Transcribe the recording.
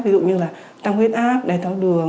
ví dụ như là tăng huyết áp đầy tăng đường